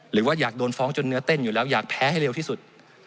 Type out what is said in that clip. หรือว่าอยากโดนฟ้องจนเนื้อเต้นอยู่แล้วอยากแพ้ให้เร็วที่สุด